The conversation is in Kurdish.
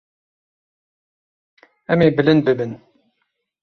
Em ê bilind bibin.